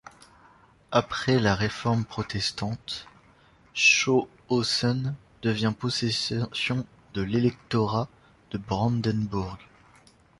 Après la réforme protestante, Schönhausen devint possession de l'électorat de Brandenbourg.